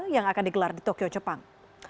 yang akan digelar di tokyo jepang